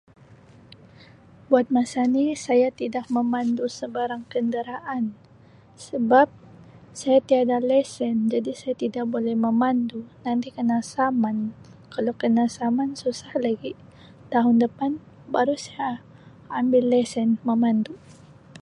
Buat masa ni saya tidak memandu sebarang kenderaan sebab saya tiada lesen jadi saya tidak boleh memandu nanti kena saman kalau kena saman susah lagi tahun depan baru sia ambil lesen memandu.